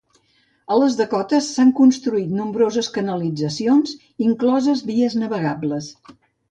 A les Dakotas s'han construït nombroses canalitzacions, incloses vies navegables.